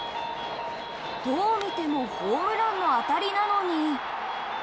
どう見てもホームランの当たりなのに。